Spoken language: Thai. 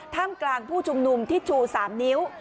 ท่ามกลางผู้ชุมนุมที่ชู๓นิ้ว